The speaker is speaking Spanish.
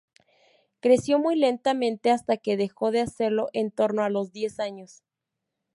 Creció muy lentamente hasta que dejó de hacerlo en torno a los diez años.